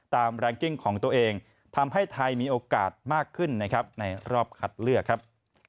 แรงกิ้งของตัวเองทำให้ไทยมีโอกาสมากขึ้นนะครับในรอบคัดเลือกครับ